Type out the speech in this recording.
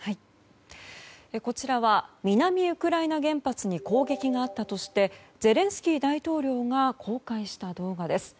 こちらは南ウクライナ原発に攻撃があったとしてゼレンスキー大統領が公開した動画です。